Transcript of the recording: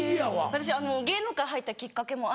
私芸能界入ったきっかけも兄。